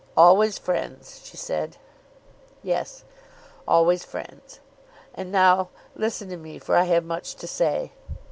"Always friends!" she said. "Yes; always friends. And now listen to me for I have much to say.